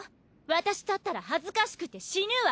私だったら恥ずかしくて死ぬわ。